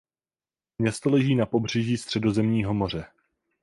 Město leží na pobřeží Středozemního moře.